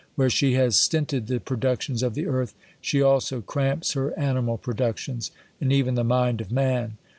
Where she has stint ed the productions of the earth, she also cramps her ani mal productions ; and even the mind of man.